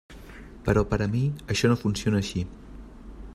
Però per a mi, això no funciona així.